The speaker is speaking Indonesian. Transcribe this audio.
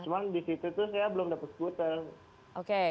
cuma di situ tuh saya belum dapat skuter